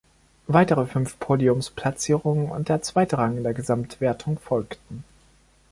Weitere fünf Podiumsplatzierungen und der zweite Rang in der Gesamtwertung folgten.